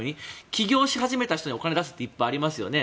起業し始める人にお金を出すってありますよね。